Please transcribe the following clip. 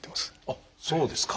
あっそうですか。